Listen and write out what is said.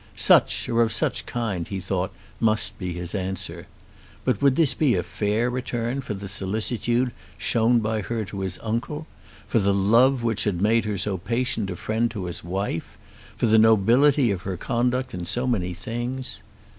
Such, or of such kind, he thought must be his answer. But would this be a fair return for the solicitude shown by her to his uncle, for the love which had made her so patient a friend to his wife, for the nobility of her own conduct in many things?